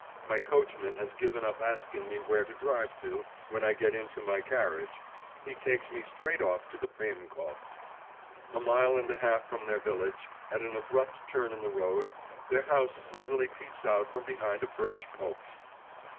My coachman has given up asking me where to drive to, when I get into my carriage he takes me straight off to the Priemkovs'. A mile and a half from their village, at an abrupt turn in the road, their house suddenly peeps out from behind a birch copse.